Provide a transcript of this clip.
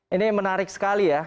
ini menarik sekali ya